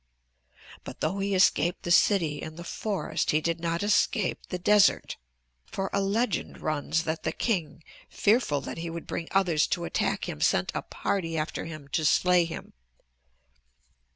But though he escaped the city and the forest he did not escape the desert. For a legend runs that the king, fearful that he would bring others to attack them, sent a party after him to slay him.